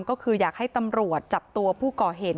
ก็คืออยากให้ตำรวจจับตัวผู้ก่อเหตุ